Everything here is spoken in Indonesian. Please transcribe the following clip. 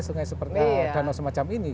sungai seperti danau semacam ini